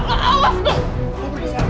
marah menemukan gue sekarang